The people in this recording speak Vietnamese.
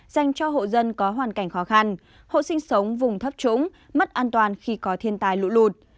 dành cho hộ dân có hoàn cảnh khó khăn hộ sinh sống vùng thấp trũng mất an toàn khi có thiên tài lũ lụt